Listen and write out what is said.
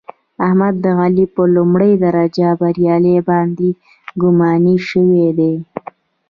احمد د علي په لومړۍ درجه بریا باندې ګماني شوی دی.